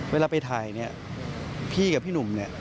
เวลาไปถ่ายนี่พี่กับพี่หนุ่ม